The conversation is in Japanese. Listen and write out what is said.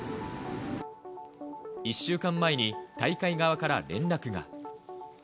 １週間前に大会側から連絡が。